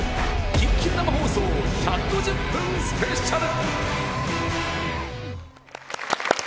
緊急生放送１５０分スペシャル！